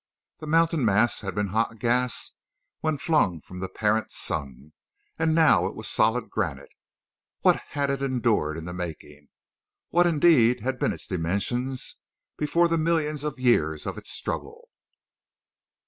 This mountain mass had been hot gas when flung from the parent sun, and now it was solid granite. What had it endured in the making? What indeed had been its dimensions before the millions of years of its struggle?